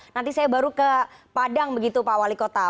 nanti saya baru ke padang begitu pak wali kota